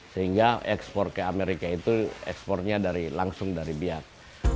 sehingga ekspor ke amerika itu ekspornya langsung dari biak